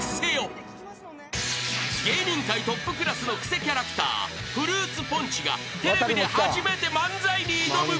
［芸人界トップクラスのクセキャラクターフルーツポンチがテレビで初めて漫才に挑む］